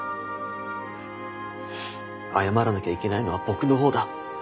謝らなきゃいけないのは僕の方だ。